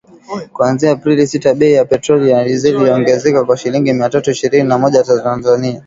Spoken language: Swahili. kuanzia Aprili sita bei ya petroli na dizeli iliongezeka kwa shilingi mia tatu ishirini na moja za Tanzania